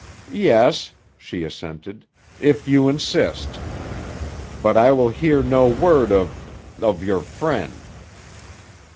"Yes," she assented. "If you insist. But I will hear no word of—of your friend."